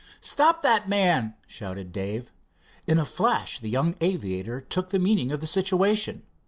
"Stop that man!" shouted Dave. In a flash the young aviator took in the meaning of the situation.